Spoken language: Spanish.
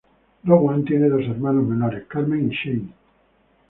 Rowan tiene dos hermanos menores, Carmen y Shane.